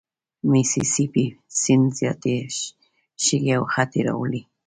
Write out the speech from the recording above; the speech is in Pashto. میسي سي پي سیند زیاتي شګې او خټې راوړي.